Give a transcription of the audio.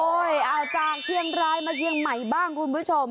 เอาจากเชียงรายมาเชียงใหม่บ้างคุณผู้ชม